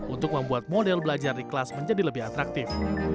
untuk membuat model belajar di kelas menjadi lebih atraktif